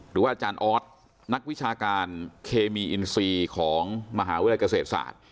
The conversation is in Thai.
อาจารย์ออสนักวิชาการเคมีอินซีของมหาวิทยาลัยเกษตรศาสตร์